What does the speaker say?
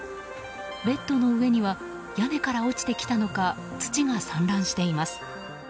ベッドの上には屋根から落ちてきたのか土が散乱しています。